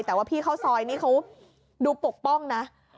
แต่ว่าพี่ข้าวซอยนี่เขาดูปกป้องนะ